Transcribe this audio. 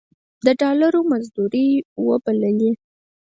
د ډالرو مزدورۍ وبللې.